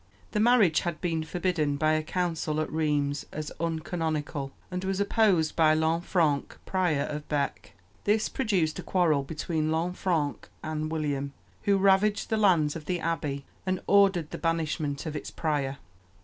The marriage had been forbidden by a council at Rheims as uncanonical, and was opposed by Lanfranc, Prior of Bec. This produced a quarrel between Lanfranc and William, who ravaged the lands of the abbey and ordered the banishment of its prior.